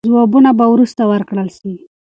ځوابونه به وروسته ورکړل سي.